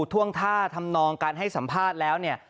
ท่วงท่าทำนองการให้สัมภาษณ์แล้วเนี่ย